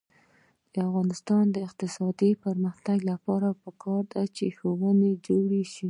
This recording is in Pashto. د افغانستان د اقتصادي پرمختګ لپاره پکار ده چې ښوونځي جوړ شي.